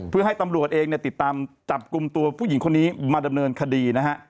เพื่อให้ตำรวจเองเนี่ยติดตามจับกลุ่มตัวผู้หญิงคนนี้มาดำเนินคดีนะฮะ